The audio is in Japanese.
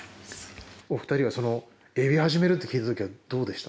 お二人はエビ始めるって聞いたときはどうでした？